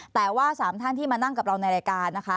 แต่ว่า๓ท่านที่มานั่งกับเราในรายการนะคะ